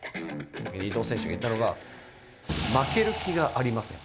伊藤選手が言ったのが「負ける気がありません。